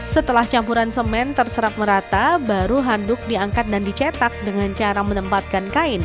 setelah campuran semen terserap merata baru handuk diangkat dan dicetak dengan cara menempatkan kain